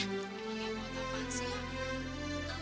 emangnya buat apaan sih